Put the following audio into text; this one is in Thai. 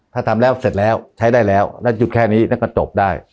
ถ้าทำแล้วเสร็จแล้วใช้ได้แล้วแล้วหยุดแค่นี้แล้วก็จบได้